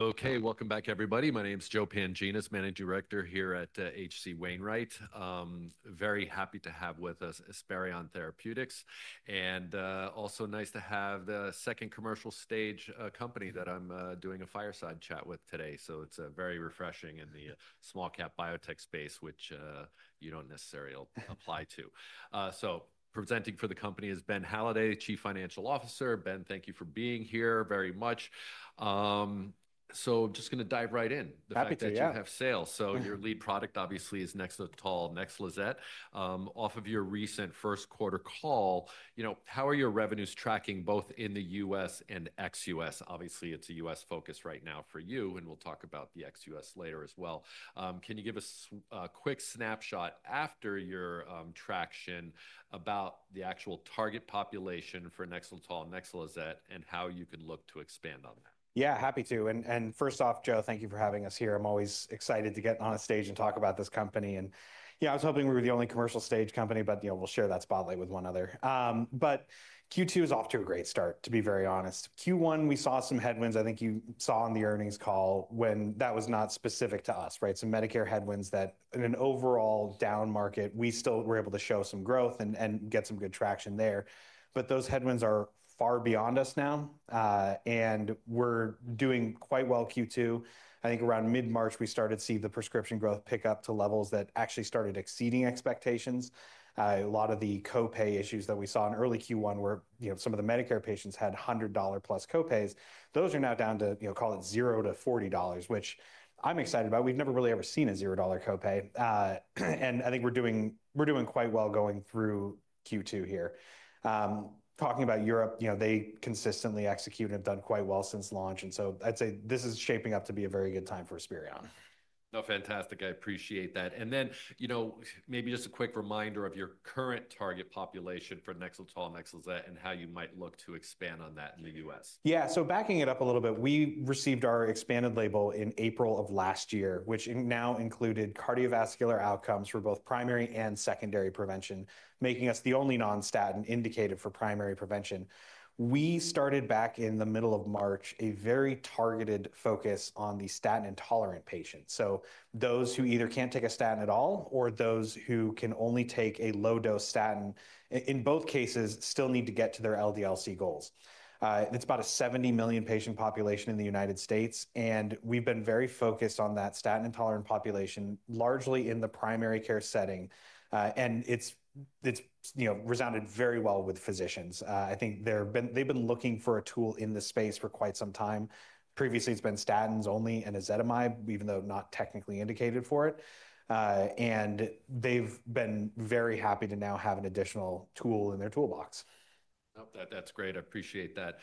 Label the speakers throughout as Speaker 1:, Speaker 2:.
Speaker 1: Okay, welcome back, everybody. My name's Joe Pantginis, Managing Director here at HC Wainwright. Very happy to have with us Esperion Therapeutics, and also nice to have the second commercial stage company that I'm doing a fireside chat with today. It is very refreshing in the small cap biotech space, which you don't necessarily apply to. Presenting for the company is Ben Halladay, Chief Financial Officer. Ben, thank you for being here very much. I'm just going to dive right in.
Speaker 2: Happy to join.
Speaker 1: You have sales. So your lead product, obviously, is NEXLETOL, NEXLIZET. Off of your recent first quarter call, you know, how are your revenues tracking both in the U.S. and ex-U.S.? Obviously, it's a U.S. focus right now for you, and we'll talk about the ex-U.S. later as well. Can you give us a quick snapshot after your traction about the actual target population for NEXLETOL, NEXLIZET and how you could look to expand on that?
Speaker 2: Yeah, happy to. And first off, Joe, thank you for having us here. I'm always excited to get on a stage and talk about this Company. You know, I was hoping we were the only commercial stage Company, but, you know, we'll share that spotlight with one other. Q2 is off to a great start, to be very honest. Q1, we saw some headwinds. I think you saw on the earnings call when that was not specific to us, right? Some Medicare headwinds that in an overall down market, we still were able to show some growth and get some good traction there. Those headwinds are far beyond us now, and we're doing quite well Q2. I think around mid-March, we started to see the prescription growth pick up to levels that actually started exceeding expectations. A lot of the copay issues that we saw in early Q1 were, you know, some of the Medicare patients had $100+ copays. Those are now down to, you know, call it $0-$40, which I'm excited about. We've never really ever seen a $0 copay. I think we're doing, we're doing quite well going through Q2 here. Talking about Europe, you know, they consistently execute and have done quite well since launch. I’d say this is shaping up to be a very good time for Esperion.
Speaker 1: No, fantastic. I appreciate that. And then, you know, maybe just a quick reminder of your current target population for NEXLETOL, NEXLIZET, and how you might look to expand on that in the U.S.
Speaker 2: Yeah, so backing it up a little bit, we received our expanded label in April of last year, which now included cardiovascular outcomes for both primary and secondary prevention, making us the only non-statin indicated for primary prevention. We started back in the middle of March a very targeted focus on the statin intolerant patients. So those who either can't take a statin at all or those who can only take a low-dose statin, in both cases, still need to get to their LDL-C goals. It's about a 70 million patient population in the United States, and we've been very focused on that statin intolerant population, largely in the primary care setting. And it's, it's, you know, resounded very well with physicians. I think they've been, they've been looking for a tool in the space for quite some time. Previously, it's been statins only and ezetimibe, even though not technically indicated for it. They've been very happy to now have an additional tool in their toolbox.
Speaker 1: Nope, that's great. I appreciate that.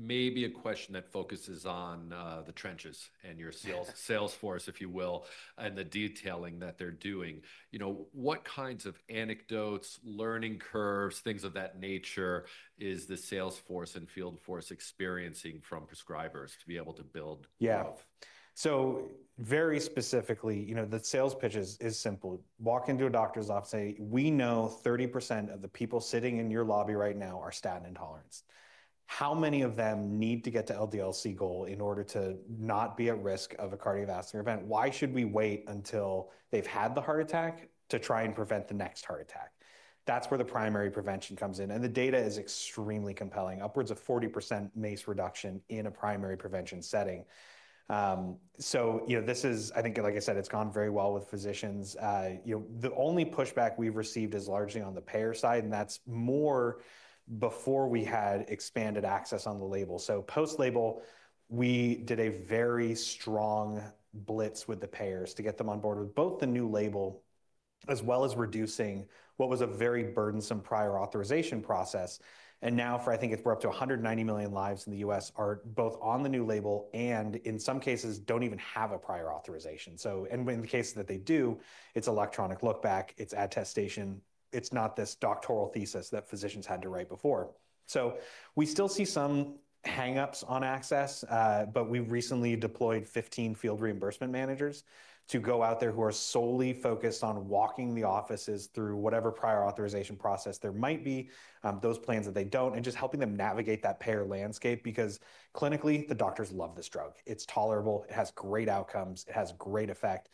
Speaker 1: Maybe a question that focuses on the trenches and your sales, salesforce, if you will, and the detailing that they're doing. You know, what kinds of anecdotes, learning curves, things of that nature is the salesforce and field force experiencing from prescribers to be able to build?
Speaker 2: Yeah. So very specifically, you know, the sales pitch is, is simple. Walk into a doctor's office, say, we know 30% of the people sitting in your lobby right now are statin intolerant. How many of them need to get to LDL-C goal in order to not be at risk of a cardiovascular event? Why should we wait until they've had the heart attack to try and prevent the next heart attack? That's where the primary prevention comes in. And the data is extremely compelling. Upwards of 40% MACE reduction in a primary prevention setting. So, you know, this is, I think, like I said, it's gone very well with physicians. You know, the only pushback we've received is largely on the payer side, and that's more before we had expanded access on the label. Post-label, we did a very strong blitz with the payers to get them on board with both the new label as well as reducing what was a very burdensome prior authorization process. Now, I think we're up to 190 million lives in the U.S. are both on the new label and in some cases don't even have a prior authorization. In the case that they do, it's electronic lookback, it's attestation, it's not this doctoral thesis that physicians had to write before. We still see some hangups on access, but we recently deployed 15 field reimbursement managers to go out there who are solely focused on walking the offices through whatever prior authorization process there might be, those plans that they don't, and just helping them navigate that payer landscape because clinically, the doctors love this drug. It's tolerable. It has great outcomes. It has great effect.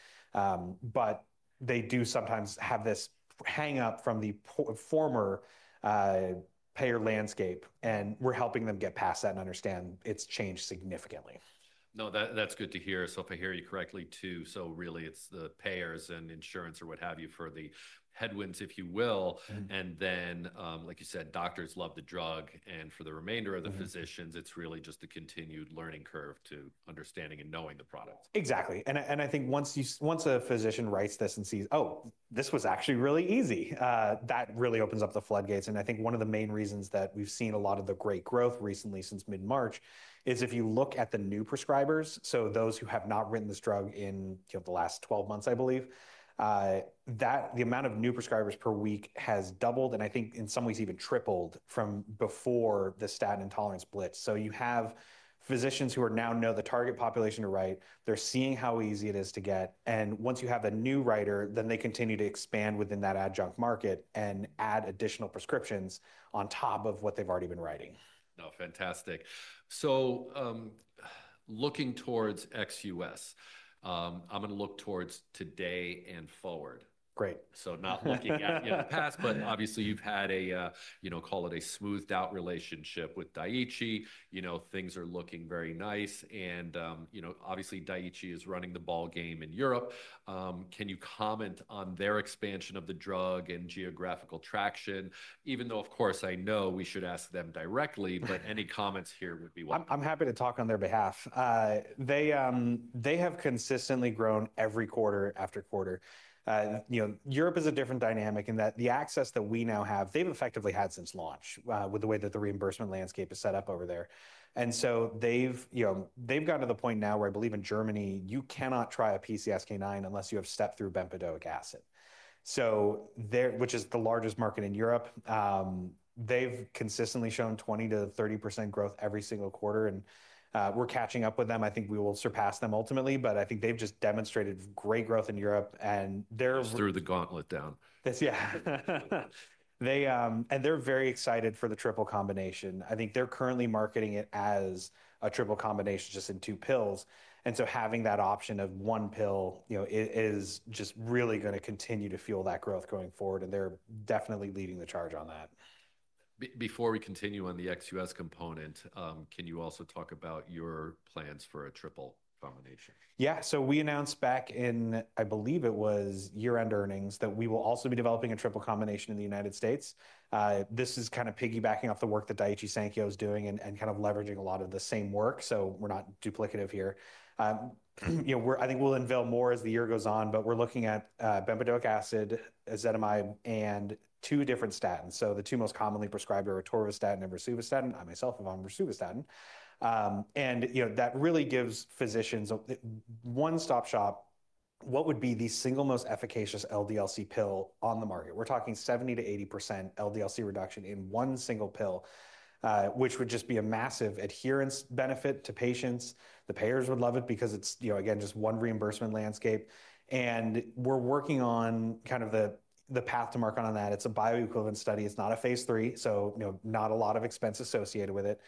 Speaker 2: They do sometimes have this hangup from the former payer landscape, and we're helping them get past that and understand it's changed significantly.
Speaker 1: No, that's good to hear. If I hear you correctly too, really it's the payers and insurance or what have you for the headwinds, if you will. Like you said, doctors love the drug. For the remainder of the physicians, it's really just a continued learning curve to understanding and knowing the product.
Speaker 2: Exactly. I think once you, once a physician writes this and sees, oh, this was actually really easy, that really opens up the floodgates. I think one of the main reasons that we've seen a lot of the great growth recently since mid-March is if you look at the new prescribers, so those who have not written this drug in, you know, the last 12 months, I believe that the amount of new prescribers per week has doubled and I think in some ways even tripled from before the statin intolerance blitz. You have physicians who now know the target population to write. They're seeing how easy it is to get. Once you have a new writer, then they continue to expand within that adjunct market and add additional prescriptions on top of what they've already been writing.
Speaker 1: No, fantastic. Looking towards ex-U.S., I'm going to look towards today and forward.
Speaker 2: Great.
Speaker 1: Not looking at, you know, the past, but obviously you've had a, you know, call it a smoothed out relationship with Daiichi. You know, things are looking very nice. And, you know, obviously Daiichi is running the ball game in Europe. Can you comment on their expansion of the drug and geographical traction? Even though, of course, I know we should ask them directly, but any comments here would be welcome.
Speaker 2: I'm happy to talk on their behalf. They have consistently grown every quarter-after-quarter. You know, Europe is a different dynamic in that the access that we now have, they've effectively had since launch, with the way that the reimbursement landscape is set up over there. They have gotten to the point now where I believe in Germany, you cannot try a PCSK9 unless you have stepped through bempedoic acid. There, which is the largest market in Europe, they have consistently shown 20%-30% growth every single quarter. We're catching up with them. I think we will surpass them ultimately, but I think they've just demonstrated great growth in Europe and they're.
Speaker 1: Just threw the gauntlet down.
Speaker 2: Yeah. They, and they're very excited for the triple combination. I think they're currently marketing it as a triple combination just in two pills. Having that option of one pill, you know, is just really going to continue to fuel that growth going forward. They're definitely leading the charge on that.
Speaker 1: Before we continue on the ex-U.S. component, can you also talk about your plans for a triple combination?
Speaker 2: Yeah. We announced back in, I believe it was year-end earnings that we will also be developing a triple combination in the United States. This is kind of piggybacking off the work that Daiichi Sankyo is doing and kind of leveraging a lot of the same work. We are not duplicative here. You know, I think we will unveil more as the year goes on, but we are looking at bempedoic acid, ezetimibe, and two different statins. The two most commonly prescribed are atorvastatin and rosuvastatin. I myself am on rosuvastatin. You know, that really gives physicians one-stop shop. What would be the single most efficacious LDL-C pill on the market? We are talking 70%-80% LDL-C reduction in one single pill, which would just be a massive adherence benefit to patients. The payers would love it because it is, you know, again, just one reimbursement landscape. We're working on kind of the, the path to market on that. It's a bioequivalent study. It's not a Phase 3. You know, not a lot of expense associated with it.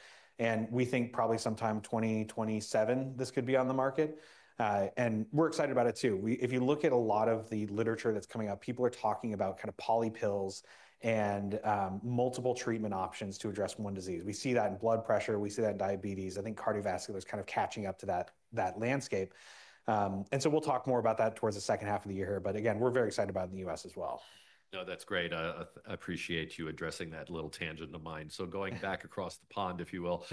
Speaker 2: We think probably sometime 2027 this could be on the market. We're excited about it too. If you look at a lot of the literature that's coming out, people are talking about kind of polypills and multiple treatment options to address one disease. We see that in blood pressure. We see that in diabetes. I think cardiovascular is kind of catching up to that, that landscape. We'll talk more about that towards the second half of the year. Again, we're very excited about it in the U.S. as well.
Speaker 1: No, that's great. I appreciate you addressing that little tangent of mine. Going back across the pond, if you will,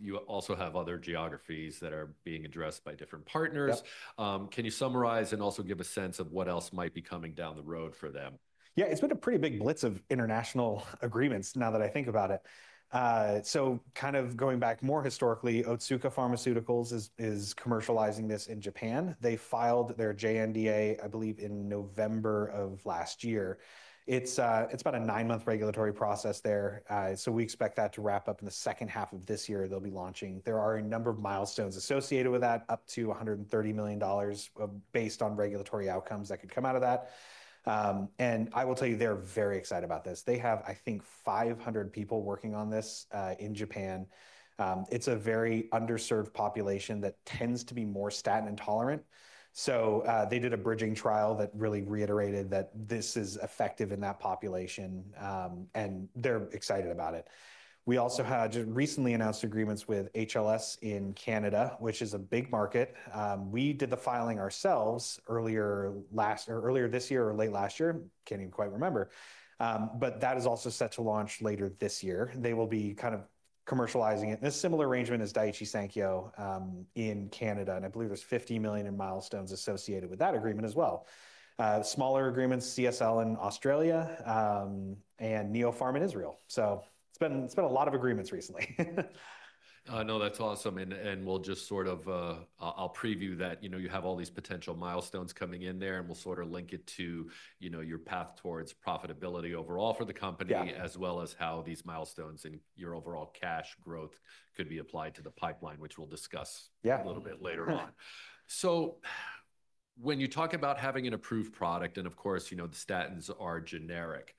Speaker 1: you also have other geographies that are being addressed by different partners. Can you summarize and also give a sense of what else might be coming down the road for them?
Speaker 2: Yeah, it's been a pretty big blitz of international agreements now that I think about it. So kind of going back more historically, Otsuka Pharmaceuticals is commercializing this in Japan. They filed their JNDA, I believe, in November of last year. It's about a nine-month regulatory process there. So we expect that to wrap up in the second half of this year. They'll be launching. There are a number of milestones associated with that, up to $130 million based on regulatory outcomes that could come out of that. And I will tell you, they're very excited about this. They have, I think, 500 people working on this, in Japan. It's a very underserved population that tends to be more statin intolerant. So, they did a bridging trial that really reiterated that this is effective in that population. And they're excited about it. We also had recently announced agreements with HLS in Canada, which is a big market. We did the filing ourselves earlier this year or late last year. Can't even quite remember. That is also set to launch later this year. They will be kind of commercializing it. A similar arrangement as Daiichi Sankyo, in Canada. I believe there's $50 million in milestones associated with that agreement as well. Smaller agreements, CSL in Australia, and Neopharm in Israel. It's been a lot of agreements recently.
Speaker 1: No, that's awesome. I'll preview that, you know, you have all these potential milestones coming in there and we'll sort of link it to your path towards profitability overall for the Company, as well as how these milestones and your overall cash growth could be applied to the pipeline, which we'll discuss a little bit later on. When you talk about having an approved product, and of course, you know, the statins are generic,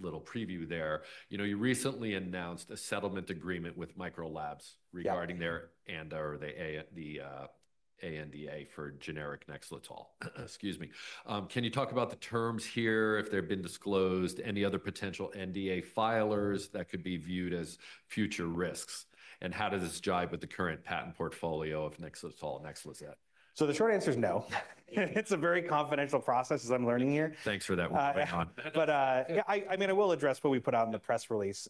Speaker 1: little preview there, you recently announced a settlement agreement with Micro Labs regarding their ANDA for generic NEXLETOL. Excuse me. Can you talk about the terms here, if they've been disclosed, any other potential ANDA filers that could be viewed as future risks, and how does this jive with the current patent portfolio of NEXLETOL and NEXLIZET?
Speaker 2: The short answer is no. It's a very confidential process as I'm learning here.
Speaker 1: Thanks for that one, John.
Speaker 2: Yeah, I mean, I will address what we put out in the press release.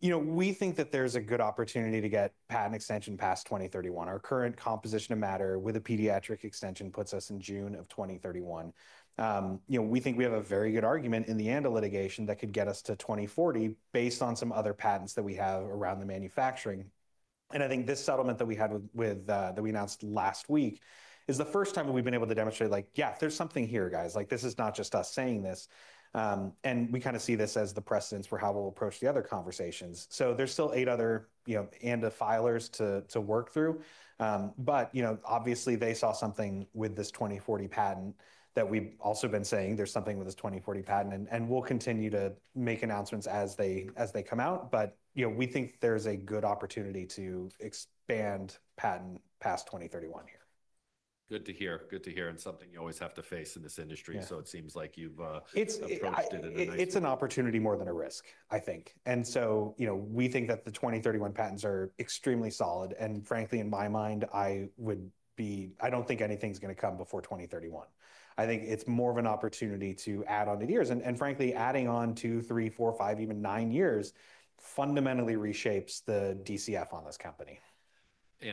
Speaker 2: You know, we think that there's a good opportunity to get patent extension past 2031. Our current composition of matter with a pediatric extension puts us in June of 2031. You know, we think we have a very good argument in the end of litigation that could get us to 2040 based on some other patents that we have around the manufacturing. I think this settlement that we had, that we announced last week, is the first time that we've been able to demonstrate, like, yeah, there's something here, guys. Like, this is not just us saying this. We kind of see this as the precedence for how we'll approach the other conversations. There's still eight other ANDA filers to work through. But, you know, obviously they saw something with this 2040 patent that we've also been saying there's something with this 2040 patent, and we'll continue to make announcements as they come out. But, you know, we think there's a good opportunity to expand patent past 2031 here.
Speaker 1: Good to hear. Good to hear. And something you always have to face in this industry. It seems like you've approached it in a nice way.
Speaker 2: It's an opportunity more than a risk, I think. And so, you know, we think that the 2031 patents are extremely solid. And frankly, in my mind, I would be, I don't think anything's going to come before 2031. I think it's more of an opportunity to add on the years. And frankly, adding on two, three, four, five, even nine years fundamentally reshapes the DCF on this Company.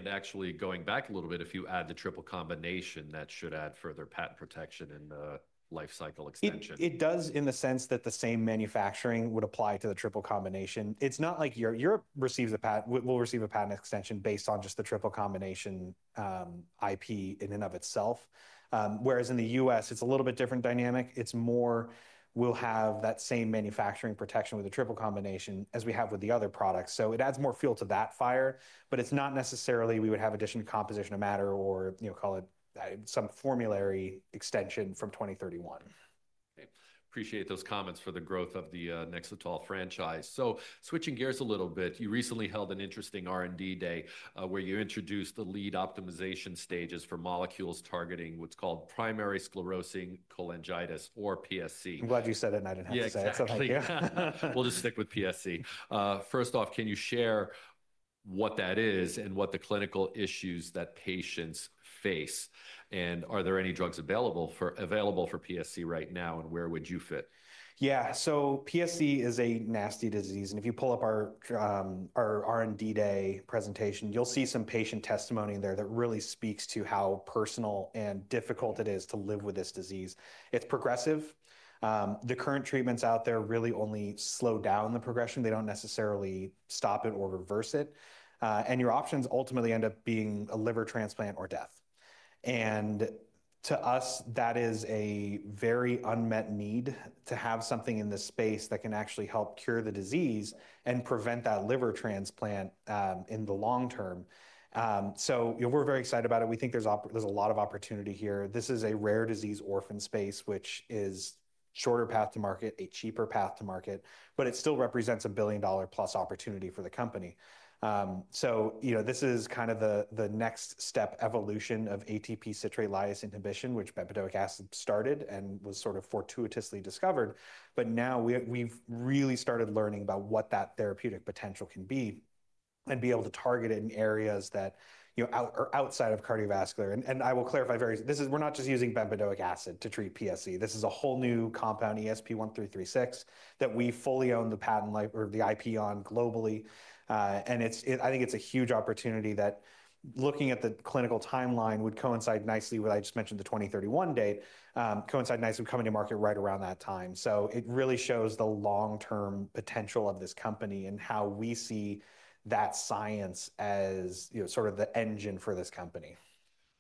Speaker 1: Actually, going back a little bit, if you add the triple combination, that should add further patent protection and the life cycle extension.
Speaker 2: It does in the sense that the same manufacturing would apply to the triple combination. It's not like Europe, Europe receives a patent, will receive a patent extension based on just the triple combination, IP in and of itself. Whereas in the U.S., it's a little bit different dynamic. It's more, we'll have that same manufacturing protection with the triple combination as we have with the other products. It adds more fuel to that fire, but it's not necessarily we would have additional composition of matter or, you know, call it some formulary extension from 2031.
Speaker 1: Appreciate those comments for the growth of the NEXLETOL franchise. Switching gears a little bit, you recently held an interesting R&D Day, where you introduced the lead optimization stages for molecules targeting what's called primary sclerosing cholangitis or PSC.
Speaker 2: I'm glad you said it. I didn't have to say it.
Speaker 1: We'll just stick with PSC. First off, can you share what that is and what the clinical issues that patients face? Are there any drugs available for PSC right now? Where would you fit?
Speaker 2: Yeah. PSC is a nasty disease. If you pull up our R&D Day presentation, you'll see some patient testimony there that really speaks to how personal and difficult it is to live with this disease. It's progressive. The current treatments out there really only slow down the progression. They don't necessarily stop it or reverse it, and your options ultimately end up being a liver transplant or death. To us, that is a very unmet need to have something in this space that can actually help cure the disease and prevent that liver transplant in the long term. You know, we're very excited about it. We think there's a lot of opportunity here. This is a rare disease orphan space, which is a shorter path to market, a cheaper path to market, but it still represents a billion dollar plus opportunity for the company. So, you know, this is kind of the, the next step evolution of ATP citrate lyase inhibition, which bempedoic acid started and was sort of fortuitously discovered. But now we've really started learning about what that therapeutic potential can be and be able to target it in areas that, you know, out, or outside of cardiovascular. And I will clarify very, this is, we're not just using bempedoic acid to treat PSC. This is a whole new compound, ESP1336, that we fully own the patent life or the IP on globally. It's, I think it's a huge opportunity that looking at the clinical timeline would coincide nicely with, I just mentioned the 2031 date, coincide nicely with coming to market right around that time. It really shows the long-term potential of this Company and how we see that science as, you know, sort of the engine for this Company.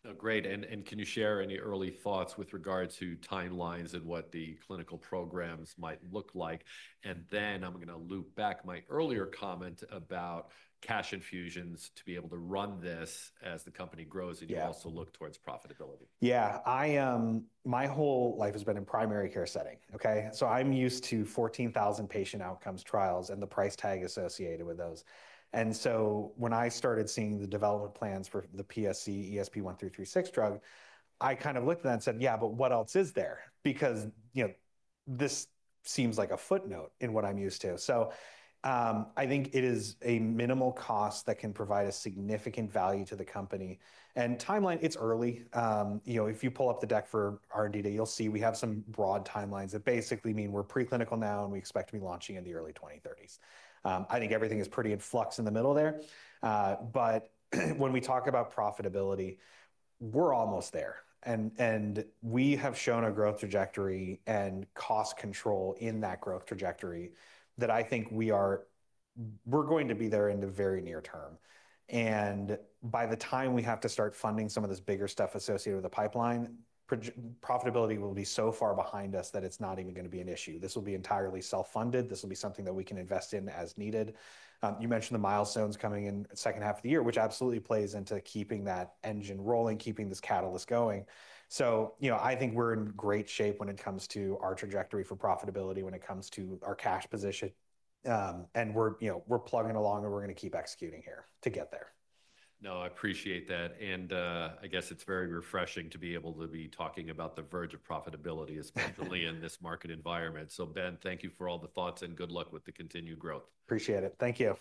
Speaker 1: No, great. And can you share any early thoughts with regard to timelines and what the clinical programs might look like? And then I'm going to loop back my earlier comment about cash infusions to be able to run this as the Company grows and you also look towards profitability.
Speaker 2: Yeah, I, my whole life has been in primary care setting. Okay. So I'm used to 14,000 patient outcomes trials and the price tag associated with those. And so when I started seeing the development plans for the PSC ESP1336 drug, I kind of looked at that and said, yeah, but what else is there? Because, you know, this seems like a footnote in what I'm used to. I think it is a minimal cost that can provide a significant value to the Company and timeline. It's early. You know, if you pull up the deck for R&D Day, you'll see we have some broad timelines that basically mean we're preclinical now and we expect to be launching in the early 2030s. I think everything is pretty in flux in the middle there. When we talk about profitability, we're almost there. We have shown a growth trajectory and cost control in that growth trajectory that I think we are, we're going to be there in the very near term. By the time we have to start funding some of this bigger stuff associated with the pipeline, profitability will be so far behind us that it's not even going to be an issue. This will be entirely self-funded. This will be something that we can invest in as needed. You mentioned the milestones coming in the second half of the year, which absolutely plays into keeping that engine rolling, keeping this catalyst going. You know, I think we're in great shape when it comes to our trajectory for profitability, when it comes to our cash position. We're plugging along and we're going to keep executing here to get there.
Speaker 1: No, I appreciate that. I guess it's very refreshing to be able to be talking about the verge of profitability, especially in this market environment. Ben, thank you for all the thoughts and good luck with the continued growth.
Speaker 2: Appreciate it. Thank you.